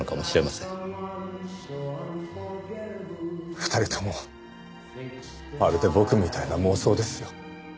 ２人ともまるで僕みたいな妄想ですよ。